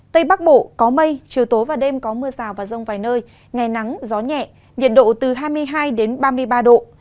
tây bắc bộ có mây chiều tối và đêm có mưa rào và rông vài nơi ngày nắng gió nhẹ nhiệt độ từ hai mươi hai ba mươi ba độ